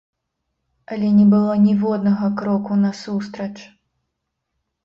Але не было ніводнага кроку насустрач!